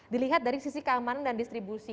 dilihat dari sisi keamanan dan distribusi